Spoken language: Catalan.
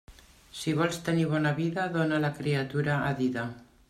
Si vols tenir bona vida, dóna la criatura a dida.